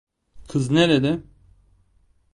Kız nerede?